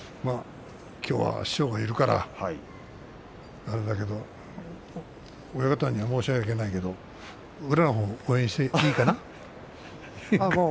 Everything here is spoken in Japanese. きょうは師匠がいるから親方には申し訳ないけれども宇良のほうを応援してもいいかな。